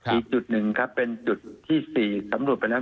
อีกจุดหนึ่งครับเป็นจุดที่๔สำรวจไปแล้ว